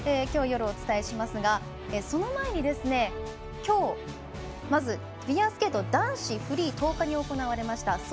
きょう、夜お伝えしますがその前にフィギュアスケート男子フリー１０日に行われました。